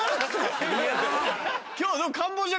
今日。